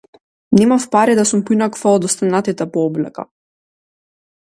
Немав пари да сум поинаква од останатите по облеката.